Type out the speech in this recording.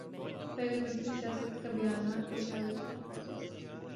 پہلے مذہبی سیاست کا بیانیہ ایجابی تھا۔